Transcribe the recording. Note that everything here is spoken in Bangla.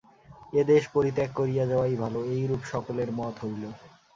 এ দেশ পরিত্যাগ করিয়া যাওয়াই ভালো, এইরূপ সকলের মত হইল।